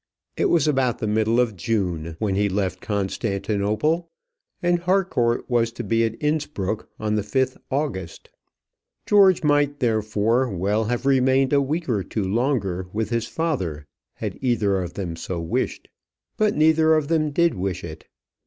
It was about the middle of June when he left Constantinople, and Harcourt was to be at Innspruck on the 5th August. George might therefore well have remained a week or two longer with his father had either of them so wished; but neither of them did wish it.